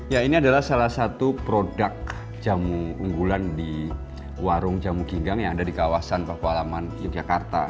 ya ini adalah salah satu produk jamu unggulan di warung jamu ginggang yang ada di kawasan pakualaman yogyakarta